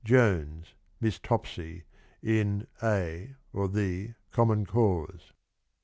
— Jones (Miss Topsy) in A (or The) Common Cause.